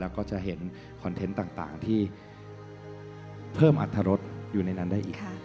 แล้วก็จะเห็นคอนเทนต์ต่างที่เพิ่มอัตรรสอยู่ในนั้นได้อีก